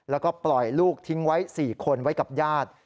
แล้วก็ปล่อยลูกทิ้งไว้๔คนไว้กับญาติ